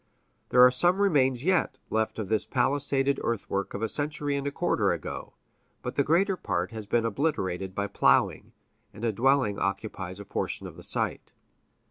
There are some remains yet left of this palisaded earthwork of a century and a quarter ago, but the greater part has been obliterated by plowing, and a dwelling occupies a portion of the site.